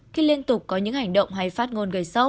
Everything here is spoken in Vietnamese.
khi liên tục có những hành động hay phát ngôn gây sốc